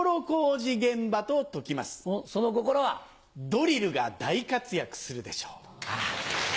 ドリルが大活躍するでしょう。